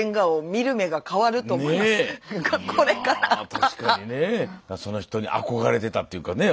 いや確かにねその人に憧れてたっていうかね